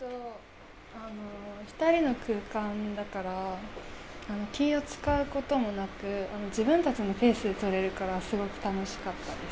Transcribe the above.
２人の空間だから、気を遣うこともなく、自分たちのペースで撮れるから、すごく楽しかったです。